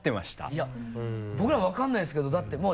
いや僕ら分からないですけどだってもう。